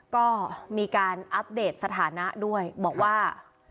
ก็มีการอัปเดตสถานะด้วยบอกว่า